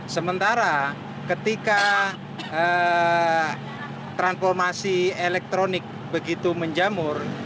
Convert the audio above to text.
sementara ketika transformasi elektronik begitu menjamur